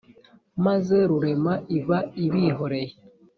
maze rurema iba ibihoreye